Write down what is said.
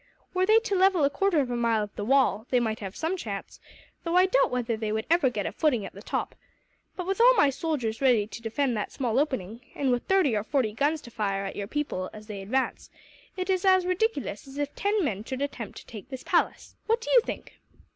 "Were they to level a quarter of a mile of the wall, they might have some chance, though I doubt whether they would ever get a footing at the top; but with all my soldiers ready to defend that small opening, and with thirty or forty guns to fire at your people as they advance, it is as ridiculous as if ten men should attempt to take this palace. What do you think?"